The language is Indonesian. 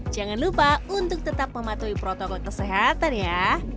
jangan lupa untuk tetap mematuhi protokol kesehatan ya